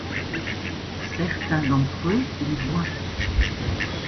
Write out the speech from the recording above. Certains d'entre eux les voient.